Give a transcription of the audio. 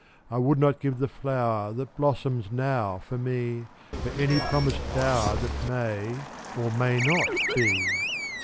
I would not give the flower That blossoms now for me, For any promised bower That may, or may not, be.